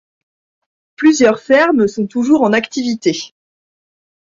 Plusieurs fermes sont toujours en activité.